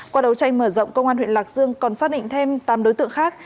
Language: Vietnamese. qua đấu tranh mở rộng công an huyện lạc dương còn xác định thêm tám đối tượng khác